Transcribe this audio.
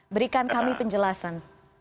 berikan kami penjelasan